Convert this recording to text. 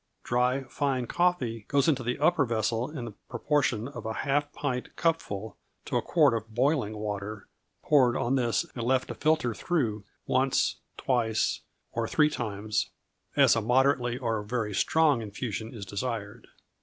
Dry, fine coffee goes into the upper vessel in the proportion of a half pint cupful to a quart of boiling water poured on this, and left to filter through once, twice, or three times, as a moderately or very strong infusion is desired.